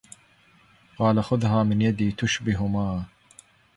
قال خذها من يدي تشبه ما